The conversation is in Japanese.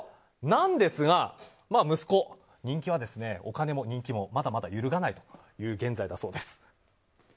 なんですが、息子の人気はお金も人気もまだまだ揺るがないという現在だそうです。